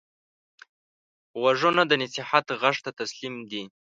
غوږونه د نصیحت غږ ته تسلیم دي